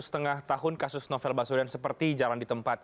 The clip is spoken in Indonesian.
setengah tahun kasus novel baswedan seperti jalan di tempat